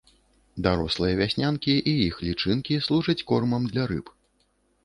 Дарослыя вяснянкі і іх лічынкі служаць кормам для рыб.